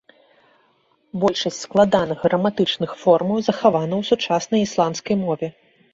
Большасць складаных граматычных формаў захавана ў сучаснай ісландскай мове.